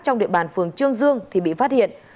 trong địa bàn phường trương dương thì bị phát hiện